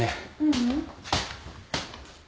ううん。